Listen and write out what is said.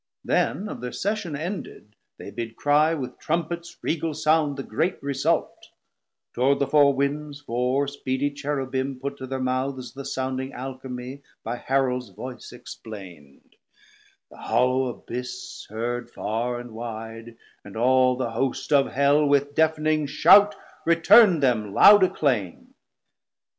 Then of thir Session ended they bid cry With Trumpets regal sound the great result: Toward the four winds four speedy Cherubim Put to thir mouths the sounding Alchymie By Haralds voice explain'd: the hollow Abyss Heard farr and wide, and all the host of Hell With deafning shout, return'd them loud acclaim.